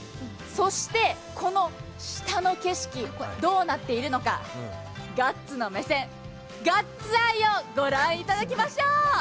そして、この下の景色どうなっているのかガッツな目線、ガッツアイを御覧いただきましょう。